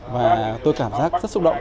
và tôi cảm giác rất xúc động